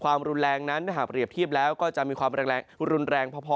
ความรุนแรงนั้นถ้าหากเปรียบเทียบแล้วก็จะมีความแรงรุนแรงพอ